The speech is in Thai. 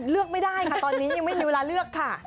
เลือกไม่ได้ค่ะตอนนี้ยังไม่มีเวลาเลือกค่ะ